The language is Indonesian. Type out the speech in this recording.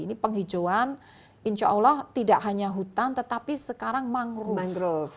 ini penghijauan insya allah tidak hanya hutan tetapi sekarang mangrove mangrove